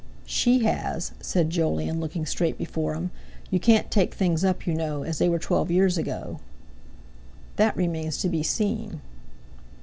"She has," said Jolyon, looking straight before him; "you can't take things up, you know, as they were twelve years ago." "That remains to be seen."